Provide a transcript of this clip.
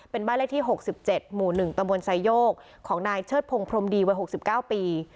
เป็นบ้านเลขที่๖๗หมู่๑ตำบลไซโยกของนายเชิดพงพรมดีวัย๖๙ปี